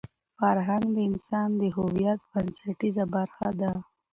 فرهنګ د انسان د هویت بنسټیزه برخه ده.